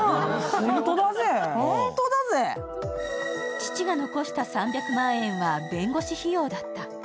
父が残した３００万円は弁護士費用だった。